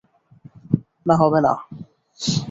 না, হবে না।